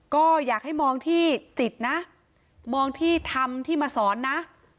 ก็อยากให้มองที่จิตนะมองที่ทำที่มาสอนนะ